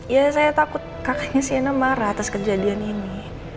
ya saya takut kakaknya siana marah atas kejadian ini